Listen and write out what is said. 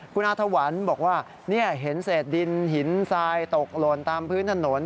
คุณอาถวันบอกว่าเห็นเศษดินหินทรายตกหล่นตามพื้นถนน